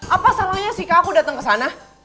apa salahnya sih kak aku dateng kesana